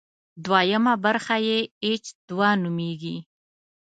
دویمه برخه چې اېچ دوه نومېږي.